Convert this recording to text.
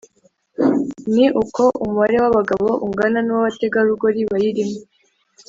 ni uko umubare w’abagabo ungana n’uw’abategarugoli bayirimo